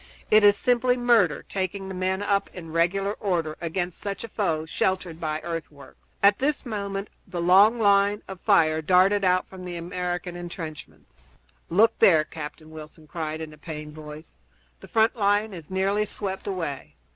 It is simply murder, taking the men up in regular order against such a foe sheltered by earthworks." At this moment the long line of fire darted out from the American intrenchments. "Look there!" Captain Wilson cried in a pained voice. "The front line is nearly swept away!